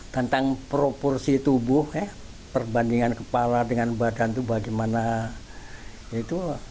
tentang proporsi tubuh ya perbandingan kepala dengan badan itu bagaimana itu